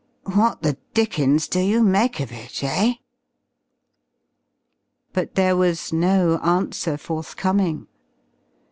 What the dickens do you make of it, eh?" But there was no answer forthcoming.